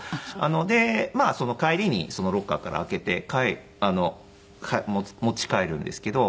でその帰りにそのロッカーから開けて持ち帰るんですけど。